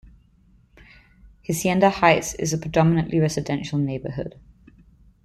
Hacienda Heights is a predominantly residential neighborhood.